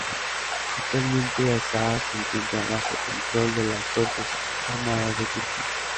Actualmente Azaz se encuentra bajo control de las fuerzas armadas de Turquía.